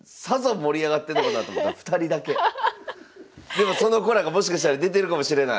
でもその子らがもしかしたら出てるかもしれない！